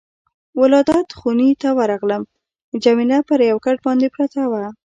ولادت خونې ته ورغلم، جميله پر یو کټ باندې پرته وه.